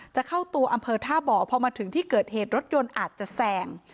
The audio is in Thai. จะเข้าตัวอำเภอท่าบ่อพอมาถึงที่เกิดเหตุรถยนต์อาจจะแสง